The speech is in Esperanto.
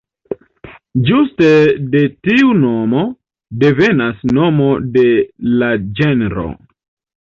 Ĝuste de tiu nomo devenas nomo de la ĝenro.